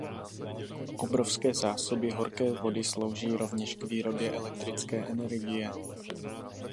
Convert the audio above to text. Obrovské zásoby horké vody slouží rovněž k výrobě elektrické energie.